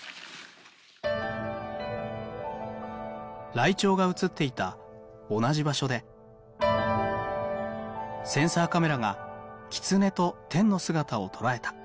ライチョウが写っていた同じ場所でセンサーカメラがキツネとテンの姿を捉えた。